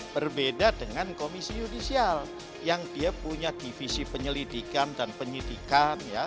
berbeda dengan komisi yudisial yang dia punya divisi penyelidikan dan penyidikan